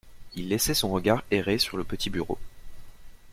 Il laissait son regard errer sur le petit bureau.